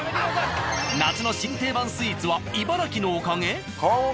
夏の新定番スイーツは茨城のおかげ？